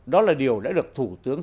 đó là điều đã được thủ tướng